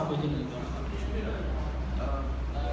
คุณคิดว่าเกินเท่าไหร่หรือไม่เกินเท่าไหร่